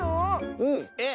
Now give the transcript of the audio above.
うん。えっ？